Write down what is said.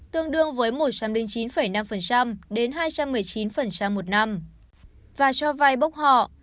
tương đương với một trăm linh chín năm đến hai trăm một mươi chín một năm và cho vai bốc họ